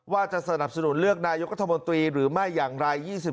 ว่าจะสนับสนุนเลือกนายกธมตรีหรือไม่อย่างไร